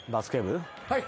はい。